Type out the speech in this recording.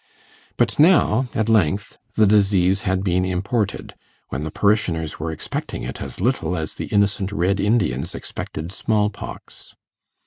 But now, at length, the disease had been imported, when the parishioners were expecting it as little as the innocent Red Indians expected smallpox.